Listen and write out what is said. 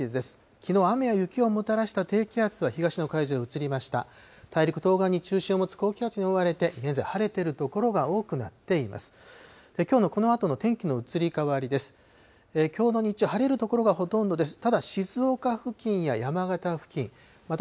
きのう、雨や雪をもたらした低気圧は東の海上に移りました。